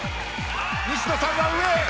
西野さんは上！